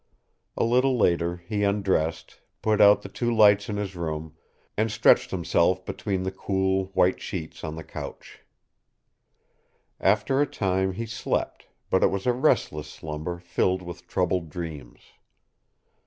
A little later he undressed, put out the two lights in his room, and stretched himself between the cool, white sheets on the couch. After a time he slept, but it was a restless slumber filled with troubled dreams.